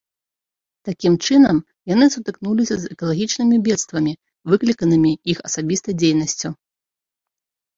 Такім чынам яны сутыкнуліся з экалагічнымі бедствамі, выкліканымі іх асабістай дзейнасцю.